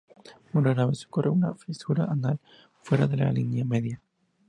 Muy rara vez ocurre una fisura anal fuera de la línea media.